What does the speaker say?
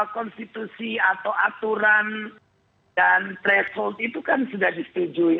konstitusi atau aturan dan threshold itu kan sudah disetujui